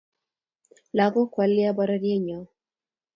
Lakok kuwalea pororiet nyo